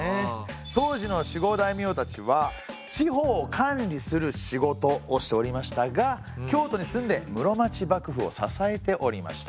当時の守護大名たちは地方を管理する仕事をしておりましたが京都に住んで室町幕府を支えておりました。